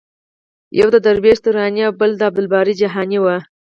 یو د درویش دراني او بل د عبدالباري جهاني و.